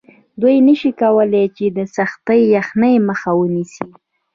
دوی نشي کولی چې د سختې یخنۍ مخه ونیسي